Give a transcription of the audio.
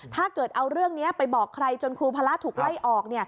ถ้าเกิดเอาเรื่องนี้ไปบอกใครจนครูพระถูกไล่ออก